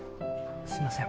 すいません